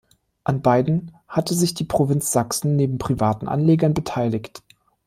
An beiden hatte sich die Provinz Sachsen neben privaten Anlegern beteiligt.